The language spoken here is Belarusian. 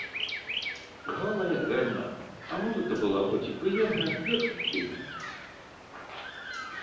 Грала я дрэнна, а музыка была хоць і прыемная, але прымітыўная.